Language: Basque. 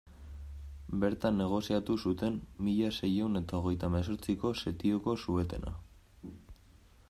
Bertan negoziatu zuten mila seiehun eta hogeita hemezortziko setioko suetena.